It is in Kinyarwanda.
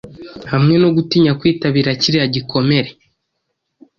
Hamwe no gutinya kwitabira kiriya gikomere